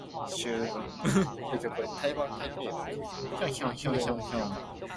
秋分，暝日對分